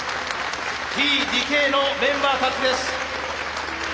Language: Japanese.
Ｔ・ＤＫのメンバーたちです。